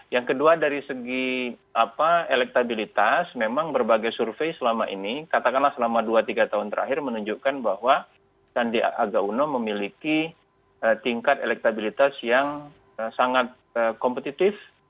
yang kedua dari segi elektabilitas memang berbagai survei selama ini katakanlah selama dua tiga tahun terakhir menunjukkan bahwa sandiaga uno memiliki tingkat elektabilitas yang sangat kompetitif